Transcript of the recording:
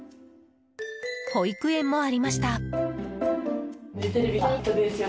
保育園もありました。